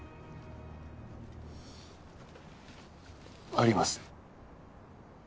あります。